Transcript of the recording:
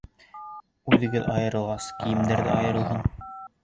Үҙегеҙ айырылғас, кейемдәр ҙә айырылһын!